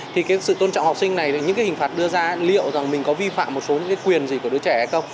thì cái sự tôn trọng học sinh này những hình phạt đưa ra liệu mình có vi phạm một số quyền gì của đứa trẻ không